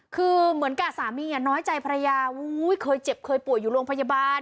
คือเหมือนกับสามีน้อยใจภรรยาเคยเจ็บเคยป่วยอยู่โรงพยาบาล